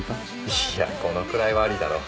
いやこのくらいはありだろ。